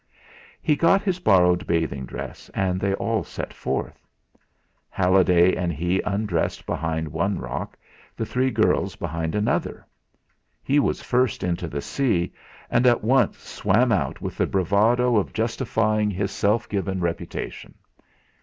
He got his borrowed bathing dress, and they all set forth. Halliday and he undressed behind one rock, the three girls behind another. He was first into the sea, and at once swam out with the bravado of justifying his self given reputation.